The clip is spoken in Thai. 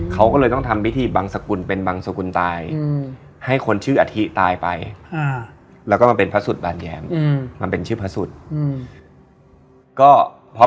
ตรงทางเดินไปขึ้นเรือนะครับ